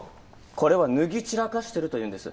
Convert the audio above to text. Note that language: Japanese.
これは脱ぎ散らかしてるというんです。